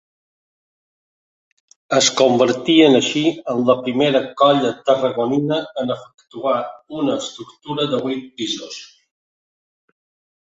Es convertien així en la primera colla tarragonina en efectuar una estructura de vuit pisos.